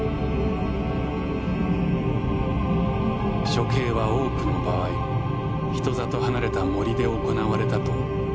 処刑は多くの場合人里離れた森で行われたと記録に残る。